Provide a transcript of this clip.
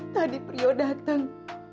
tadi priya datang